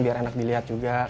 biar enak dilihat juga